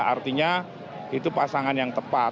artinya itu pasangan yang tepat